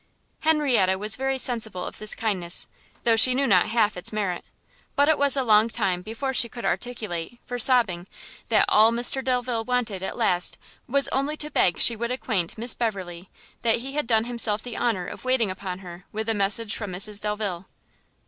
Henrietta was very sensible of this kindness, though she knew not half its merit: but it was a long time before she could articulate, for sobbing, that all Mr Delvile wanted, at last, was only to beg she would acquaint Miss Beverley, that he had done himself the honour of waiting upon her with a message from Mrs Delvile.